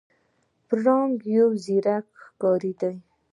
پړانګ یو زیرک ښکاری دی.